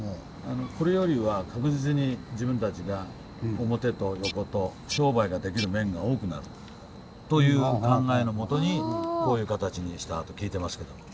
これよりは確実に自分たちが表と横と商売ができる面が多くなるという考えのもとにこういう形にしたと聞いてますけども。